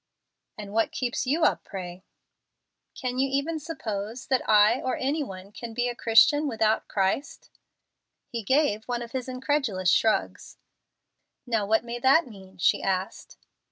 "And what keeps you up, pray?" "Can you even suppose that I or any one can be a Christian without Christ?" He gave one of his incredulous shrugs. "Now what may that mean?" she asked.